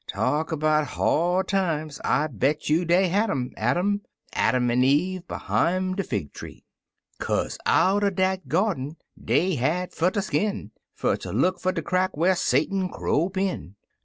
Talk about hard times! I bet you dey had 'em — Adam — Adam an' Eve behime de fig tree. Kaze out er dat gyarden dey had fer ter skin, Fer ter look fer de crack whar Satan crope in.